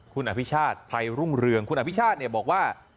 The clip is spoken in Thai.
คุณอภิชาติภัยรุ่งเรืองคุณอภิชาติบอกว่า